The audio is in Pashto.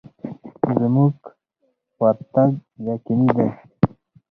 زموږ ورتګ یقیني دی.